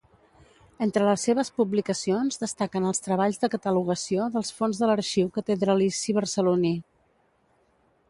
Entre les seves publicacions destaquen els treballs de catalogació dels fons de l’arxiu catedralici barceloní.